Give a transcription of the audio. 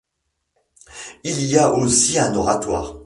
Il y a aussi un oratoire.